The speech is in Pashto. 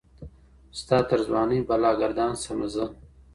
ستا تر ځوانۍ بلا ګردان سمه زه